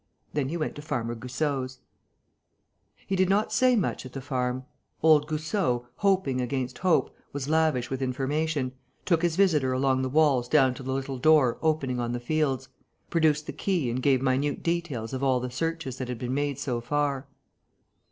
Then he went to Farmer Goussot's. He did not say much at the farm. Old Goussot, hoping against hope, was lavish with information, took his visitor along the walls down to the little door opening on the fields, produced the key and gave minute details of all the searches that had been made so far.